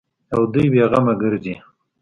او دوى بې غمه گرځي.